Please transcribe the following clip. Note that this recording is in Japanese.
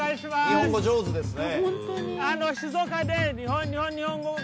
日本語上手ですね。